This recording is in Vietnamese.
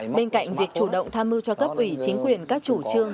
bên cạnh việc chủ động tham mưu cho cấp ủy chính quyền các chủ trương